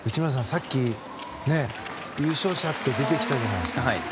さっき優勝者って出てきたじゃないですか。